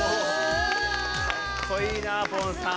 かっこいいなポンさん。